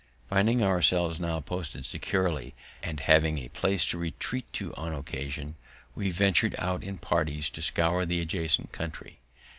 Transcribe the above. Finding ourselves now posted securely, and having a place to retreat to on occasion, we ventur'd out in parties to scour the adjacent country.